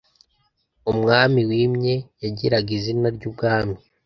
Umwami wimye yagiraga izina ry’ubwami